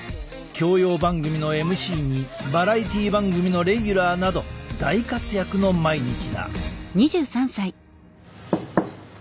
教養番組のＭＣにバラエティー番組のレギュラーなど大活躍の毎日だ。